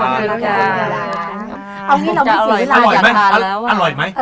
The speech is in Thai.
เอางี้เราพริกกินที่รายจะอร่อยแล้ว